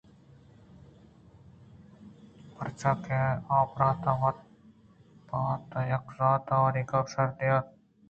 پرچاکہ آ ءُبرٛات وت ماں وت ءَ یک اَنت آوانی گپ شریدار اَنت